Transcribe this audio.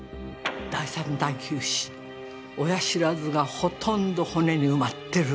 第三大臼歯親知らずがほとんど骨に埋まってる。